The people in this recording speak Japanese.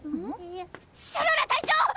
シャララ隊長！